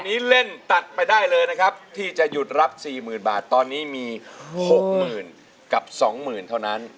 อันนี้เล่นตัดไปได้เลยนะครับที่จะหยุดรับ๔๐๐๐บาทตอนนี้มี๖๐๐๐กับ๒๐๐๐เท่านั้น